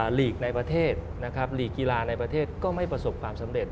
หลีกในประเทศนะครับหลีกกีฬาในประเทศก็ไม่ประสบความสำเร็จ